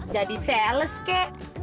jadi sales kek